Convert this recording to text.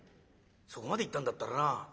そこまで行ったんだったらな